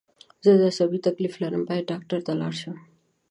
زه عصابي تکلیف لرم باید ډاکټر ته لاړ شم